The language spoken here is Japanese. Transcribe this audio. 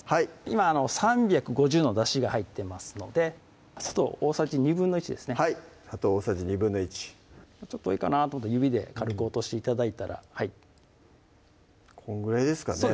今３５０のだしが入ってますので砂糖大さじ１／２ですねはい砂糖大さじ１／２ちょっと多いかなと思ったら指で軽く落として頂いたらこんぐらいですかね